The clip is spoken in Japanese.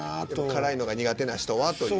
辛いのが苦手な人はという。